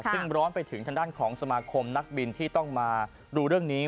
ซึ่งร้อนไปถึงทางด้านของสมาคมนักบินที่ต้องมาดูเรื่องนี้